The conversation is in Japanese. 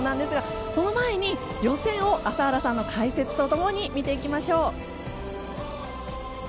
その前に予選を朝原さんの解説と共に見ていきましょう。